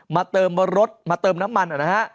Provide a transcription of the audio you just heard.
เติมรถมาเติมน้ำมันนะฮะ